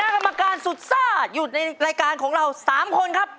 กรรมการสุดซ่าอยู่ในรายการของเรา๓คนครับ